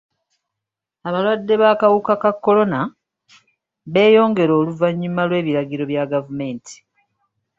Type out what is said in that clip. Abalwadde b'akawuka ka kolona beeyongera oluvannyuma lw'ebiragiro bya gavumenti.